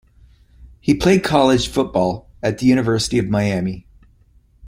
He played college football at the University of Miami.